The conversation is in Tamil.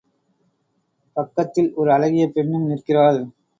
பக்கத்தில் ஒரு அழகிய பெண்னும் நிற்கிறாள்.